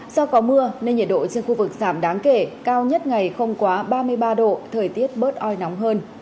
do có mưa nên nhiệt độ trên khu vực giảm đáng kể cao nhất ngày không quá ba mươi ba độ thời tiết bớt oi nóng hơn